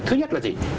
thứ nhất là gì